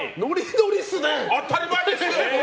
当たり前でしょ。